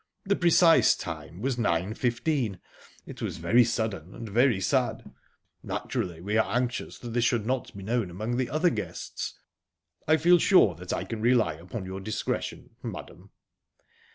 "The precise time was 9.15. It was very sudden, and very sad... Naturally, we are anxious that this should not be known among the other guests. I feel sure that I can rely upon your discretion, madam."